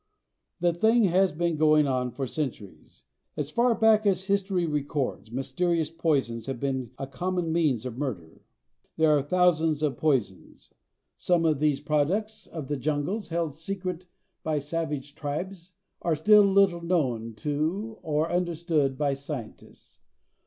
This thing has been going on for centuries. As far back as history records mysterious poisons have been a common means of murder. There are thousands of poisons. Some of these, products of the jungles held secret by savage tribes, are still little known to or understood by scientists.